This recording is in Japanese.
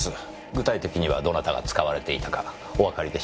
具体的にはどなたが使われていたかおわかりでしょうか？